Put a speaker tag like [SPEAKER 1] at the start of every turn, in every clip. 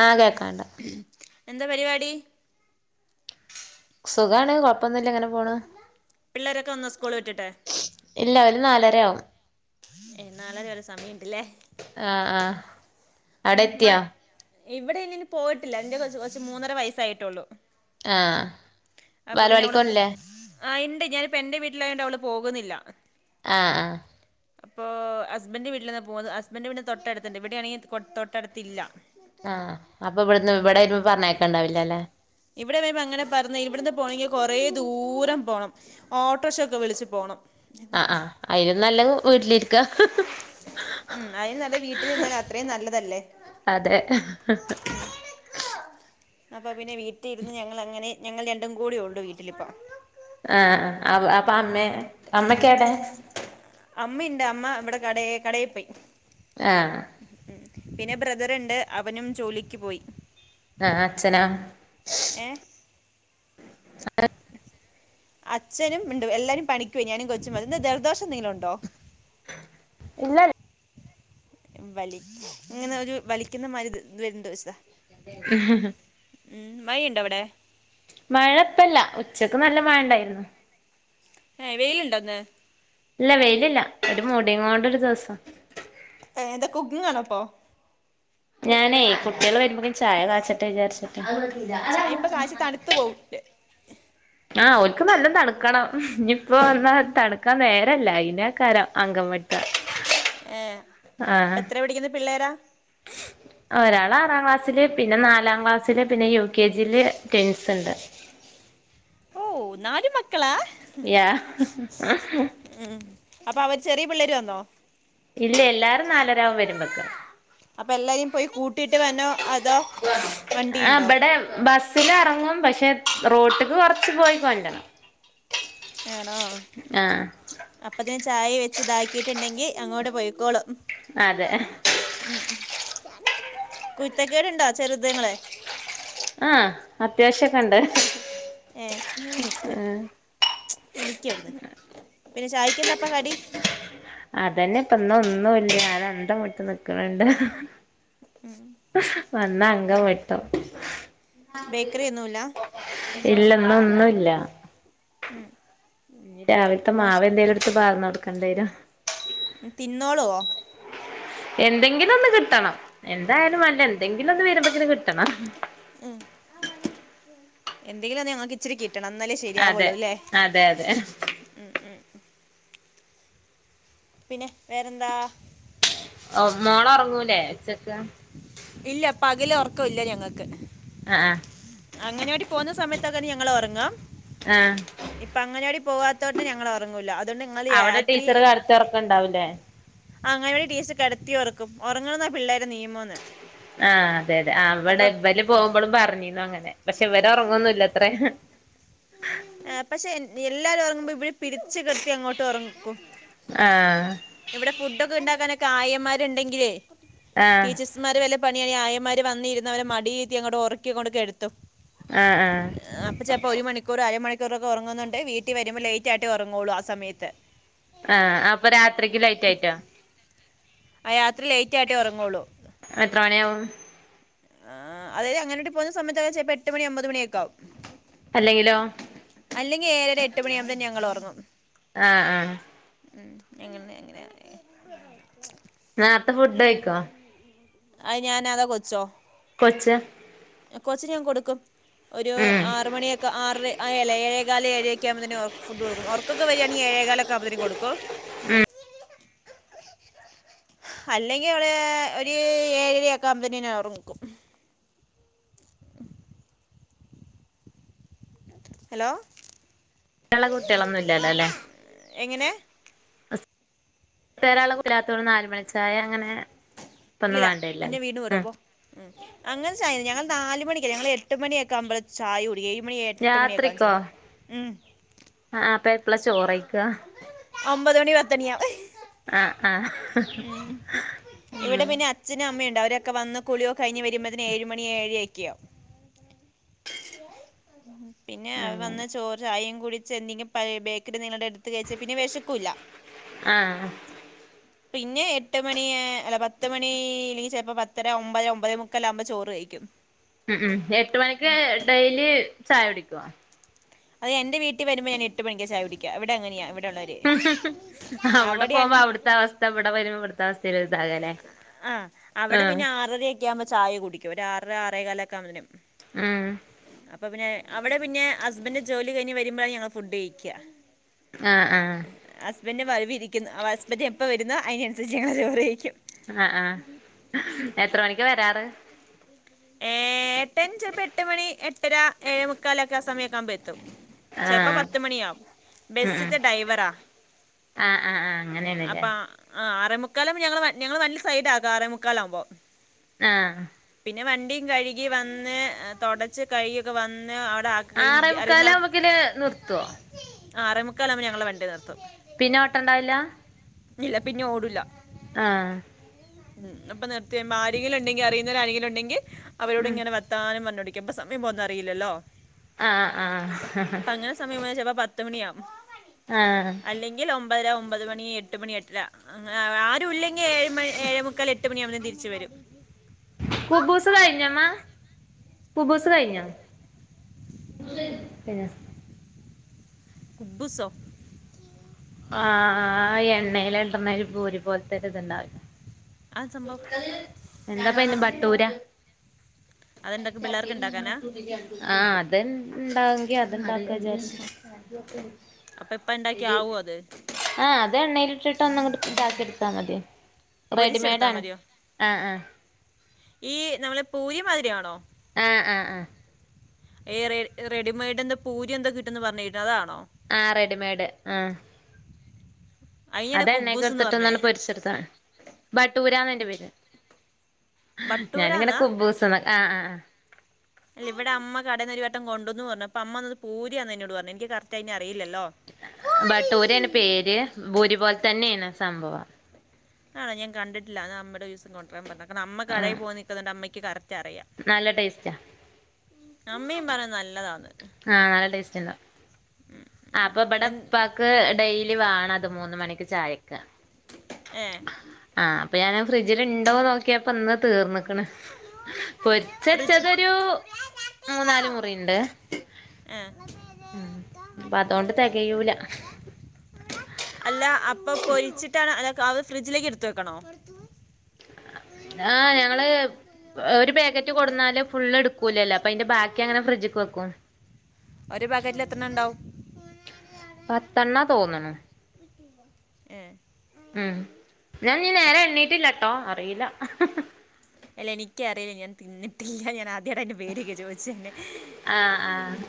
[SPEAKER 1] ആഹ് കേക്കാണ്ട്
[SPEAKER 2] എന്താ പരിപാടി
[SPEAKER 1] സുഖാണ് കൊഴ പ്പൊന്നുല്ല ഇങ്ങനെ പോണ്
[SPEAKER 2] പിള്ളേരൊക്കെ വന്നോ സ്കൂള് വിട്ടിട്ട്
[SPEAKER 1] ഇല്ലാ അവര് നാലരയാവും
[SPEAKER 2] എന്നാലത് വരെ സമയ്ണ്ട്ല്ലേ
[SPEAKER 1] ആഹ് ആഹ്
[SPEAKER 2] മഴ
[SPEAKER 1] അടെത്തിയോ
[SPEAKER 2] ഇവിടെ ഇന്ന് ഇനി പോയിട്ടില്ല എന്റെ കൊച്ച് കൊച്ച് മൂന്നര വയസ്സായിട്ടുള്ളു
[SPEAKER 1] ആഹ്
[SPEAKER 2] അവള് പോ
[SPEAKER 1] വാലവാടിക്ക്പോണില്ലേ
[SPEAKER 2] ആ ഇണ്ട് ഞാനിപ്പെന്റെ വീട്ടിലായൊണ്ട് അവള് പോകുന്നില്ല
[SPEAKER 1] ആഹ് ആഹ്
[SPEAKER 2] അപ്പൊ ഹസ്ബന്റ് വീട്ടിൽന്നാ പോകുന്നത് ഹസ്ബന്റിന്റെ വീടിന്ന് തൊട്ടടുത്തുണ്ട് ഇവിടെയാണെങ്കി തൊട്ടടുത്തില്ല
[SPEAKER 1] ആഹ് അപ്പൊ ഇവിടന്ന് ഇവിടെ വരുമ്പോ പറഞ്ഞയക്ക്ണ്ടാവില്ലല്ലേ
[SPEAKER 2] ഇവിടെ വരുമ്പൊ അങ്ങനെ പറഞ്ഞയ ഇവിടുന്ന് പോണെങ്കിൽ കുറേ ദൂരം പോണം ഓട്ടോർഷയൊക്കെ വിളിച്ച് പോണം
[SPEAKER 1] ആ ആ അയിലും നല്ലത് വീട്ടിലിരിക്കാ
[SPEAKER 2] ഉം അതിലും നല്ലത് വീട്ടിലിരുന്നാൽ അത്രയും നല്ലതല്ലേ
[SPEAKER 1] ഹ-ഹ-ഹ
[SPEAKER 2] അപ്പപ്പിന്നെ വീട്ടി ഇരുന്ന് ഞങ്ങൾ അങ്ങനെ ഞങ്ങൾ രണ്ടും കൂടിയുള്ളു വീട്ടിലിപ്പം
[SPEAKER 1] ആഹ് അപ്പൊ അമ്മയോ അമ്മക്കേടെ
[SPEAKER 2] അമ്മയുണ്ട് അമ്മ ഇവിടെ കടേ കടേ പോയി
[SPEAKER 1] ആഹ്
[SPEAKER 2] പിന്നെ ബ്രദറ്ണ്ട് അവനും ജോലിക്ക് പോയി
[SPEAKER 1] ആഹ് അച്ഛനോ
[SPEAKER 2] ഏ
[SPEAKER 1] [inaudible]
[SPEAKER 2] അച്ഛനും ഇണ്ട് എല്ലാരും പണിക്കുപോയി ഞാനും കൊച്ചും മതി ന്താ ജൽദോഷം എന്തെങ്കിലുണ്ടോ
[SPEAKER 1] ഇല്ല
[SPEAKER 2] വലി ഇങ്ങനൊരു വലിക്കുന്നമാരി വര്ണോണ്ടോയിച്ചതാ ഉം മഴയ്
[SPEAKER 1] മഴ ഇപ്പല്ല ഉച്ചക്ക് നല്ല മഴണ്ടായിരുന്നു
[SPEAKER 2] ഏ വെയിലുണ്ടോന്ന്
[SPEAKER 1] ഇല്ല വെയിലില്ല ഒരു മൂടിയുങ്ങോണ്ടൊരുസം
[SPEAKER 2] എന്താ കുക്കിംഗാണൊ ഇപ്പൊ
[SPEAKER 1] ഞാനേ കുട്ടികള് വരുമ്പക്കും ചായ കാച്ചട്ടെ വിചാരിച്ചിട്ട [inaudible]
[SPEAKER 2] ചായ ഇപ്പോൾ കാശി തണുത്ത് പോകില്ലേ
[SPEAKER 1] ആഹ് ഓര്ക്ക് നല്ലം തണുക്കണം ഇനിയിപ്പോ വന്നാ തണുക്കാൻ നേരല്ല അയിനാക്കാരം അങ്കംവെ
[SPEAKER 2] ഏ
[SPEAKER 1] ആഹ്
[SPEAKER 2] അപ്പൊ എത്രേ പടിക്കുന്നെ പിള്ളേരാ
[SPEAKER 1] ഒരാള് ആറാംക്ലാസ്സില് പിന്നെ നാലാംക്ലാസ്സില് പിന്നെ യു കെ ജിയില് ട്വിൻസ്ണ്ട്
[SPEAKER 2] ഓ നാല് മ
[SPEAKER 1] യാ [inaudible]
[SPEAKER 2] ഉം അപ്പൊ അവര് ചെറിയ പിള്ളേര് വന്നോ
[SPEAKER 1] ഇല്ല എല്ലാരും നാലരാകും വരുമ്പക്ക്
[SPEAKER 2] അപ്പൊ എല്ലാരേം പോയി കൂട്ടിട്ട് വരണോ അതോ വണ്ടിയുണ്ടോ
[SPEAKER 1] ബസ്സിലെറങ്ങും പക്ഷെ റോട്ട്ക്ക് കൊറച്ച് പോയി കൊണ്ടരണം
[SPEAKER 2] ആണോ
[SPEAKER 1] ആഹ്
[SPEAKER 2] അപ്പത്തിന് ചായ വെച്ച് ഇതാക്കിട്ടുണ്ടെങ്കി അങ്ങോട്ട് പോയിക്കോളും
[SPEAKER 1] അതെ [inaudible]
[SPEAKER 2] കുത്തക്കേടുണ്ടാ ചെറുതങ്ങള്
[SPEAKER 1] ആ അത്യാവശ്യൊക്കെണ്ട്.
[SPEAKER 2] ഏ നേര് നിക്ക്. എന്നീക്കവിടന്ന് പിന്നെ ചായ്ക്കന്താപ്പ കടി
[SPEAKER 1] അതന്നെപ്പൊന്നൊന്നുംല്ല അത അന്തവിട്ട് നിക്കണണ്ട് വന്നാ
[SPEAKER 2] ഏ
[SPEAKER 1] അങ്കംവെട്ടും.
[SPEAKER 2] ബേക്കറി ഒന്നുമില്ല
[SPEAKER 1] ഇല്ല ന്നൊന്നുംല്ല
[SPEAKER 2] ഉം
[SPEAKER 1] ഇനി രാവിലത്തെ
[SPEAKER 2] മോശ്
[SPEAKER 1] മാവന്തേലും എടുത്ത് പാർന്നൊടുക്കണ്ടിവരും.
[SPEAKER 2] തിന്നൊള്ളോ
[SPEAKER 1] എന്തെങ്കിലൊന്ന് കിട്ടണം. എന്തായാലും മാണ്ട എന്തെങ്കിലും ഒന്ന് വരുമ്പോക്കിന് കിട്ടണം
[SPEAKER 2] ഉം എന്തെങ്കിലും ഞങ്ങക്ക് ഇച്ചിരിക്ക്. ട്ടണം ന്നാലേ
[SPEAKER 1] അതെ
[SPEAKER 2] ശരിയാവുള്ളൂ ല്ലേ
[SPEAKER 1] അതെ അതെ
[SPEAKER 2] ഉം ഉം പിന്നെ വേറെന്താ
[SPEAKER 1] ഓ മോള് ഒറങ്ങൂലേ ഉച്ചക്ക്
[SPEAKER 2] ഇല്ല പകലൊറക്ക ഇല്ല ഞങ്ങക്ക്
[SPEAKER 1] ആ ആ
[SPEAKER 2] അങ്ങനാടിപോന്ന സമയ താണ് ഞങ്ങൾ ഒറങ്ങാ
[SPEAKER 1] ആ
[SPEAKER 2] ഇപ്പൊ അങ്ങനാടി പോവാത്തോടണ്ട്‌ ഞങ്ങൾ ഒറങ്ങൂല
[SPEAKER 1] അവിടെ ടീച്ചർ കെടത്തി ഒറക്കണ്ടാവൂലേ
[SPEAKER 2] അങ്ങനെ ടിച്ചർ കെടത്തി ഒറക്കും ഉറങ്ങണംന്നാപിള്ളേരെ നിയമം
[SPEAKER 1] ആ അതെ അതെ ആ വിടെ ഇവല് പോവുമ്പോളും പറഞ്ഞിന്നു അങ്ങനെ. പക്ഷെ ഇവര് ഉറങ്ങൊന്നുല്ല അത്ര
[SPEAKER 2] ആ പക്ഷെ എല്ലാരും ഉറങ്ങുമ്പോ ഇവിടെ പിടിച്ച് കിടത്തി അങ്ങോട്ട് ഒറക്കും
[SPEAKER 1] ആ
[SPEAKER 2] വിടെ ഫുഡൊക്കെ ഉണ്ടാക്കാനൊക്കെ ആയമാരുണ്ടെങ്കിലേ
[SPEAKER 1] ആ
[SPEAKER 2] ടീച്ചേഴ്സ്മാര് വല്ല പണിയാണെ ആയമാര് വന്നിരുന്നവരെ മടിയീരത്തി അങ്ങോട്ട് ഒറക്കി അങ്ങോട്ട് കെടുത്തും
[SPEAKER 1] ആ ആ
[SPEAKER 2] അപ്പൊ ചപ്പോ ഒരു മണിക്കൂർ അര മണിക്കൂറക്കെറങ്ങുന്നുണ്ട് വീട്ടിൽ വരുമ്പോ ലേറ്റ് ആയിട്ടോറങ്ങുള്ളൂ ആ സമയത്ത്
[SPEAKER 1] ആ അപ്പൊ രാത്രിക്ക് ലെയ്റ്റായിറ്റോ.
[SPEAKER 2] ആയത്രി ലേറ്റായിട്ടേ ഒറങ്ങുള്ളു.
[SPEAKER 1] എത്ര മണിയാവും
[SPEAKER 2] ആ അതായത് അങ്ങനെട്ടപോന്ന സമയത്ത് ചിലപ്പോ എട്ട് മണി അമ്പത് മണിയൊക്കാവും
[SPEAKER 1] അല്ലെങ്കിലോ
[SPEAKER 2] അല്ലെങ്കി ഏഴര എട്ട്മണിയാവുമ്പോത്തേക്ക് ഞങ്ങൾ ഒറങ്ങും
[SPEAKER 1] ആ ആ
[SPEAKER 2] ഉം എങ്ങനെ അങ്ങനെ [unintelligible]
[SPEAKER 1] നാർത്തെ ഫുഡ്കയിക്കോ
[SPEAKER 2] അയ് ഞാനത കൊച്ചോ
[SPEAKER 1] കൊച്ച്
[SPEAKER 2] കൊച്ചിന് ഞാൻ കൊടുക്കും ഒരു
[SPEAKER 1] ഉം
[SPEAKER 2] ആറ്മണിയൊക്കെ ആറര് ആ എല ഏഴേകാല ഏഴയ ഒക്കെ ആവമ്പോ തന്നെ ഒ ഫുഡ് കൊടുക്കും ഒർക്കൊക്കെ വരാണേൽ ഏഴേകാലൊക്കെ അവുമ്പോത്തിന് കൊടുക്കും
[SPEAKER 1] ഉം
[SPEAKER 2] അല്ലെങ്കി അവള് ഒരു ഏഴരയാക്കുവുമ്പോത്തിന് ഞാൻ ഒർക്കും. ഉം. ഹലോ
[SPEAKER 1] കള കുട്ടികളൊന്നുല്ലല്ലോ ല്ലേ
[SPEAKER 2] എങ്ങനെ
[SPEAKER 1] സ് [unintelligible] ഇല്ലാത്തോല് നാല് മണിച്ചായ അങ്ങനെ. ഇപ്പൊന്നും
[SPEAKER 2] ഇല്ലല്ല കുഞ്ഞ്
[SPEAKER 1] വേണ്ടല്ലല്ലോ
[SPEAKER 2] വീണ്ടുവിടും
[SPEAKER 1] ഉം
[SPEAKER 2] അപ്പൊ ഉം അങ്ങനെ ചായല ഞങ്ങൾ നാല് മണിക്കല്ല ഞങ്ങൾ എട്ട് മണി എട്ട് ക്കാമ്പ ചായുടിക്കും എഴ്മണി എട്ട് മണിയക്കാ
[SPEAKER 1] രാത്രിക്കോ
[SPEAKER 2] ചെൽപ്പൊ ഉം
[SPEAKER 1] എപ്പള ചോറയ്ക്ക.
[SPEAKER 2] ഒമ്പത് മണി പത്തണിയാ.
[SPEAKER 1] അ ആ ഉം
[SPEAKER 2] തക്കെ വന്ന് കുളിയോ കഴിഞ് വരുമ്പോതിന് ഏഴ്മണി ഏഴരക്ക്യാവും പിന്നെ അവ വന്ന
[SPEAKER 1] അങ്ങനെ
[SPEAKER 2] ചോറ് ചായയും കുടിച്ച് എന്തെങ്കിലും പഴ ബേക്കറി ന്തെങ്കിലും എട് ത് കഴിച്ച് പിന്നെ വെശക്കൂല്ല
[SPEAKER 1] ആഹ്
[SPEAKER 2] പിന്നെ എട്ട് മണി അല്ല പത്ത്മണി അല്ലെങ്കിൽ ചിലപ്പോ പത്തര ഒമ്പര ഒമ്പത് മുക്കാല്ലാം ആകുമ്പോ ചോറ് കഴിക്കും
[SPEAKER 1] ഉം ഉം എട്ട് മണിക്ക് ഡെയിലി ചായ കുടിക്കോ
[SPEAKER 2] അത് എന്റെ വീട്ടി വരുമ്പോ ഞാൻ എട്ട് മണിക്കാ ചായുടക്ക്യാ ഇവിടെങ്ങനെയാ വ
[SPEAKER 1] അവിടെ പോകുമ്പോ അവിടുത്തെ അവസ്ഥ ഇവടെ വരുമ്പോ ഇവട്ത്തെ അവസ്ഥേല്
[SPEAKER 2] അ അവടെ പിന്നെ ആറരൊക്കെ ആകുമ്പോ ചായ കുടിക്കും ഒര് ആറര ആറേ കാലൊക്കെ ആവുമ്പത്തിനും
[SPEAKER 1] ആ
[SPEAKER 2] അപ്പൊ പിന്നെ അവിടെ പിന്നെ ഹസ്ബന്റ് ജോലി കഴിഞ്ഞ് വരുമ്പോഴാ ഞങ്ങള് ഫുഡ് കഴിക്കാ
[SPEAKER 1] ആ ആ
[SPEAKER 2] ഇവൻെ വൈവ ഇരിക്കുന്ന് അ അസ്പന്റ് എപ്പോ വരുന്നോ അയിനനുസരിച്ച് ഞങ്ങള് ചോറ് കഴിക്കും
[SPEAKER 1] അ ആ എത്ര മണിക്ക വരാറ്
[SPEAKER 2] ഏ എട്ടഞ്ച് അപ്പൊ എട്ട് മണി എട്ടര ഏഴ മുക്കാലൊക്കെ അ സമയൊക്കെ ആവുമ്പൊ എ തും ചെൽപ്പോ
[SPEAKER 1] ആഹ്
[SPEAKER 2] പത്തുമണിയാവും
[SPEAKER 1] ഉം ഉം
[SPEAKER 2] ബസിത്തെ ഡ്രൈവറാ
[SPEAKER 1] ആഹ് ആഹ് ആഹ് അങ്ങനെയാണല്ലേ
[SPEAKER 2] അപ്പൊ ആ അ- ആറേമുക്കാല ഞങ്ങള് ഞങ്ങള് വല്യസൈഡാകാറ് ആറേമുക്കാലാവുമ്പോ
[SPEAKER 1] ആ.
[SPEAKER 2] പിന്നെ വണ്ടിയും കഴുകി വന്ന് തുടച്ച് കഴു കൊക്കെ വന്ന് അ
[SPEAKER 1] ആറേമുക്കാലാവുമ്പേക്കിന് നിർത്തോ
[SPEAKER 2] ആറേ മുക്കാലാവുമ്പ ഞങ്ങള വണ്ടി നിർത്തും
[SPEAKER 1] പിന്നെ ഓട്ടണ്ടാവില്ല
[SPEAKER 2] നില പിന്നെ ഓടുല്ല
[SPEAKER 1] ആ
[SPEAKER 2] [unintelligible] നിർത്തിയ്യുമ്പ ആരെങ്കിലുംണ്ടെങ്കിൽ അറിയുന്നവ ആരെങ്കിലുംണ്ടെങ്കിൽ അവരോട്
[SPEAKER 1] ഉം
[SPEAKER 2] ഇങ്ങനെ വർത്താനം പർനോണ്ടി ക്കുമ്പ സമയം പോന്ന അറിയില്ലല്ലോ
[SPEAKER 1] ആഹ് ആഹ്
[SPEAKER 2] അപ്പൊ അങ്ങനെ സമയം ചെൽപ പ ത്ത് മണിയാവും
[SPEAKER 1] ആഹ്
[SPEAKER 2] അല്ലെങ്കിൽ ഒ അമ്പതര ഒമ്പത് മണി എട്ട് മണി എട്ടര അങ്ങനെ ആരും ഇല്ലെങ്കി ഏഴ് മണി ഏഴേ മുക്കാൽ എട്ട് മണിയാകുമ്പോൾ തിരിച്ചു വരും
[SPEAKER 1] കുബ്ബൂസ് കഴിഞ്ഞോമ്മാ കുബ്ബൂസ് കഴിഞ്ഞാ പിന്നെ
[SPEAKER 2] കുബ്ബൂസോ
[SPEAKER 1] ആ എണ്ണൽ ഇടുന്ന ഒരു പൂരി പോലത്തെ ഒരു ഇതുണ്ടാവില്ല
[SPEAKER 2] ആ സംഭവം
[SPEAKER 1] എന്താപ്പ അയ്ന്റെ ബട്ടൂരാ ആ
[SPEAKER 2] അതുണ്ടാക്കി പിള്ളേർക്ക് ഉണ്ടാക്കാനാ
[SPEAKER 1] ചട്ടോ ആ അത്ണ്ടാങ്കി അത്ണ്ടാക്കചാര്ച്ച്
[SPEAKER 2] അപ്പൊ ഇപ്പൊ ഉണ്ടാക്കി ആവുമോ അത്
[SPEAKER 1] ആ അത് എണ്ണയില്ട്ടിട്ട് ഒന്ന്ങ്ങട്ട് താക്കിയെട് ത്താ മതി റെഡിമേഡ്
[SPEAKER 2] ത്താ മതിയോ ഈ നമ്മളെ പൂരിമാതിരിയാണോ
[SPEAKER 1] ആ ആ ആ
[SPEAKER 2] ഈ റെ റെഡിമെയ്ഡ് എന്തൊ പൂര്യെന്തേ കിട്ടുന്ന് പറഞ്ഞിര്ന്ന് അതാ
[SPEAKER 1] ആ റെഡിമെഡ് ആ
[SPEAKER 2] അയിനാണ്
[SPEAKER 1] അതെണ്ണേക്ക്
[SPEAKER 2] കുബ്ബൂസ് എന്ന് പറഞ്ഞേ
[SPEAKER 1] എടുത്തിട്ടാെന്നാണ്ട് പൊരിച്ചെടുത്ത മതി ബട്ടൂരാന്നന്റെ പേര് ഞാനിങ്ങനെ
[SPEAKER 2] ബട്ടൂരാന്നാ
[SPEAKER 1] കുബ്ബൂസ് ആ ആ ആ
[SPEAKER 2] ഇവിടെ അമ്മ കടന്നൊരു വട്ടം കൊണ്ടന്ന് വന്ന് അപ്പ അമ്മ അത് പൂരിയാന്ന എന്നോട് പർഞ്ഞെ എനിക്ക് കറക്ടയ്ന്റെ
[SPEAKER 1] ബട്ടൂരേണ് പേര് ഭൂരി പോലെ തന്നേണ് സംഭവം
[SPEAKER 2] ആണാ ഞാൻ കണ്ട്ട്ടില്ല അന്നാ അമ്മടെ ഒരൂസം കൊണ്ടരാൻ പറയണം കാരണം അമ്മ കടയിൽ
[SPEAKER 1] ആഹ്
[SPEAKER 2] പോയി നിൽക്കുന്നൊണ്ട് അമ്മയ്ക്ക് കറ
[SPEAKER 1] നല്ല ടേസ്റ്റാ
[SPEAKER 2] അമ്മയും പറയും നൽ
[SPEAKER 1] ആ ല്ല ടേസ്റ്റ്ണ്ട്
[SPEAKER 2] ഉം,
[SPEAKER 1] ആ
[SPEAKER 2] ഉം.
[SPEAKER 1] അപ്പൊ
[SPEAKER 2] എന്ത്-
[SPEAKER 1] ഇബടെപ്പാക്ക് ഡെയ്ലി വാണത് മൂന്ന് മണിക്ക് ചായ ക്ക
[SPEAKER 2] ഏ
[SPEAKER 1] ആ അപ്പൊ ഞാനത് ഫ്രിഡ്ജിൽണ്ടോ നോക്കിയപ്പ ഇന്ന് തീർന്ന് ക്ക്ണ് പൊര്ച്ചെച്ചതൊരു മൂന്നാല് മുറിണ്ട്
[SPEAKER 2] ആ.
[SPEAKER 1] ഉം
[SPEAKER 2] അല്ല അപ്പൊ പൊരിച്ചിട്ടാണ് അ അ ത് ഫ്രിഡ്ജിലേക്ക് എടുത്ത് വെക്കണോ
[SPEAKER 1] ആ ഞങ്ങള് ഒരു പാക്കറ്റ് കൊട്ന്നാല് ഫുള്ളെട്ക്കൂലല്ലോ അപ്പൊ അയ്ന്റെ ബാക്കി അങ്ങനെ ഫ്രിഡ്ജ്ക്ക് വെക്കും
[SPEAKER 2] ഒരു പാക്കറ്റിൽ എത്ര എണ്ണം ഉണ്ടാവും
[SPEAKER 1] പത്തെണ്ണാ തോന്ന്ണ്
[SPEAKER 2] ഏ
[SPEAKER 1] ഉം ഞാൻ ഞ്ഞ്
[SPEAKER 2] പത്ത്.
[SPEAKER 1] നേരെ എണ്ണീട്ടില്ലട്ടോ അറീല്ല
[SPEAKER 2] എല്ല എനിക്കറിയ ഞാൻ തിന്നിട്ടില്ല ഞാന ടെ പേരൊക്കെ ചോയ്ച്ചെന്നെ
[SPEAKER 1] ആഹ് ആഹ്
[SPEAKER 2] ഉം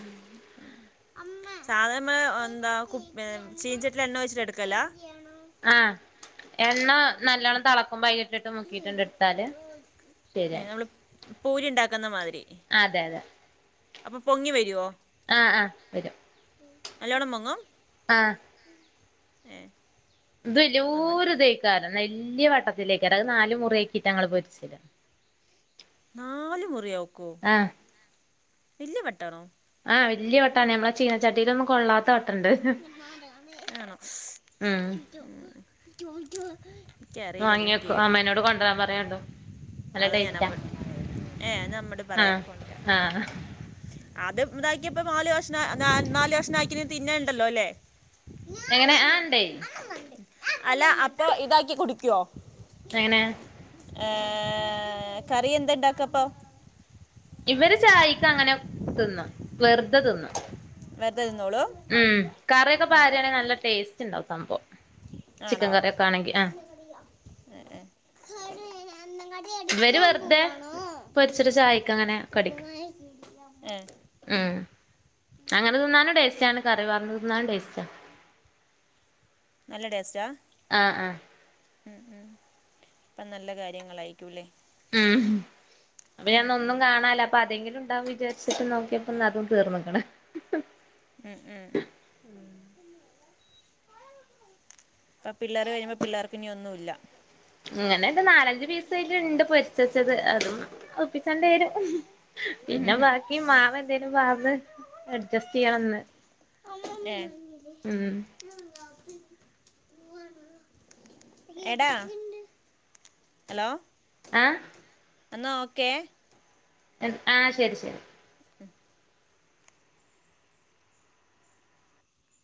[SPEAKER 2] സാധാരണ എന്താ കു വെ ചീൻചട്ടീല് എണ്ണ ഒയ്ച്ചിട്ടെട്ക്കലാ
[SPEAKER 1] ആ എണ്ണ നല്ലവണം തളക്കുംമ്പയ്ല്ട്ട്ട്ട് മുക്കീട്ടാണ്ട് എട്ത്താല് ശെര്യാ
[SPEAKER 2] നമ്മൾ പൂരി ണ്ടാക്കടന്ന മാതി
[SPEAKER 1] അതെ അതെ
[SPEAKER 2] അപ്പൊ പൊങ്ങി വര്വോ
[SPEAKER 1] ആ ആ വരും
[SPEAKER 2] നല്ലോണം പൊങ്ങും
[SPEAKER 1] ആ
[SPEAKER 2] ഏ
[SPEAKER 1] ഇത്
[SPEAKER 2] നമ്മുടെ
[SPEAKER 1] ല്യോര്തെക്കാരം വല്യ വട്ടത്തിലേക്കാരം അത് നാല് മുറ്യാക്കിട്ട ങ്ങള് പൊര്ച്ചല്
[SPEAKER 2] നാല് മുറിയാേ
[SPEAKER 1] ആ
[SPEAKER 2] വല്യ വട്ടാണോ
[SPEAKER 1] ആ വല്യ വട്ടാണ് ഞമ്മളെ ചീനച്ചട്ടീലൊന്നും കൊള്ളാത്ത വ
[SPEAKER 2] പിന്നാരാണ്
[SPEAKER 1] ഉം
[SPEAKER 2] ൻക്കറീല ഞാൻ കേട്ട്
[SPEAKER 1] ദ പറയാണ്ടോ
[SPEAKER 2] അതാ ഞാനമ്മട് ഏ ഏ നമ്മട് പറയാ
[SPEAKER 1] ആഹ്
[SPEAKER 2] കൊണ്ട്രാ
[SPEAKER 1] ആഹ്
[SPEAKER 2] അത് ഇതാക്കിയപ്പ നാല് കഷ്ണ നാല് കഷ്ണാക്കിന തിന്നാണ്ടല്ലോല്ലേ
[SPEAKER 1] എങ്ങനെ ആ ണ്ടേ
[SPEAKER 2] അല്ല അപ്പൊ ഇതാക്കി കുടിക്കോ
[SPEAKER 1] എങ്ങനെ
[SPEAKER 2] ഏ കറി എന്തണ്ടാക്കപ്പൊ
[SPEAKER 1] ഇവര് ചായക്ക് അങ്ങനെ തിന്നും വെറുതെ തിന്നും
[SPEAKER 2] വെറുതെ തിന്നോളൂ
[SPEAKER 1] ഉം കറിയൊക്കെ പാരാണെങ്കി നല്ല ടേസ്റ്റ്ണ്ടാവും സംഭവം ചിക്കൻ
[SPEAKER 2] ആണോ
[SPEAKER 1] കറിയൊക്കെ ആണെങ്കി ആഹ്
[SPEAKER 2] ഏ
[SPEAKER 1] ഇവര് വെറുതെ പൊരിച്ചിട്ട് ചായക്ക് അങ്ങനെ
[SPEAKER 2] ഏ ഏ
[SPEAKER 1] ആ അങ്ങന തിന്നാനും ടേസ്റ്റാണ് കറി പാർന്ന് തിന്നാനും ടേസ്റ്റ
[SPEAKER 2] നല്ല ടേസ്റ്റാ
[SPEAKER 1] ആ ആ
[SPEAKER 2] ഉം ഉം ഇപ്പ നല്ല കാര്യങ്ങളായിരിക്കൂല്ലേ
[SPEAKER 1] ഉം അപ്പൊ ഞാൻ ഒന്നും
[SPEAKER 2] ഉം,
[SPEAKER 1] കാണല്ല അപ്പ അതെങ്കിലും ണ്ടാവുന്നു വിചാരിച്ചിട്ട് നോക്കിയപ്പോ അതും തീർന്ന്ക്ക്ണ്
[SPEAKER 2] ഉം ഉം അപ്പ പിള്ളേര് കഴിയുമ്പോ പിള്ളേർക്ക് ഇനി ഒന്നുംല്ല
[SPEAKER 1] ഇങ്ങനെ ഇത് നാലഞ്ച് പീസ് അയിലിണ്ട് പൊരിച്ചെച്ചത് അതും ഒപ്പിച്ചണ്ടി വരും
[SPEAKER 2] ഉം, ഉം,
[SPEAKER 1] പിന്നെ
[SPEAKER 2] ഉം.
[SPEAKER 1] ബാക്കി മാവ് എന്തേലും പാർന്ന് അഡ്ജസ്റ്റ് ചെയ്യണംന്ന്
[SPEAKER 2] ഏ
[SPEAKER 1] ഉം
[SPEAKER 2] എടാ ഹലോ
[SPEAKER 1] ആ
[SPEAKER 2] എന്നാ ഓക്കെ
[SPEAKER 1] ആ ശരി ശരി